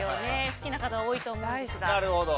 好きな方多いと思うんですが。